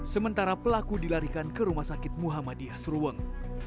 sementara pelaku dilarikan ke rumah sakit muhammadiyah surweng